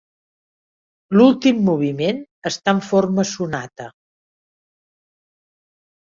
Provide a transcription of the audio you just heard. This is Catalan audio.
L'últim moviment està en forma sonata.